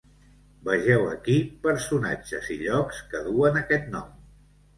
Vegeu aquí personatges i llocs que duen aquest nom.